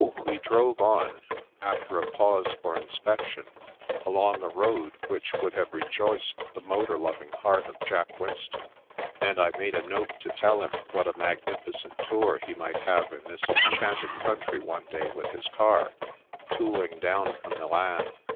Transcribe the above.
We drove on, after a pause for inspection, along a road which would have rejoiced the motor loving heart of Jack Winston, and I made a note to tell him what a magnificent tour he might have in this enchanted country one day with his car, tool ing down from Milan.